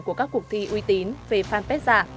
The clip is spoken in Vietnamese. của các cuộc thi uy tín về fanpage giả